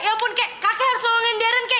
ya ampun kakek harus nolongin deren kakek